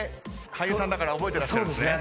俳優さんだから覚えてらっしゃるんですね？